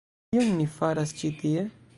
Kion ni faras ĉi tie?